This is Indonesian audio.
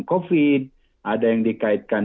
covid ada yang dikaitkan